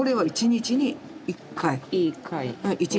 １日１回。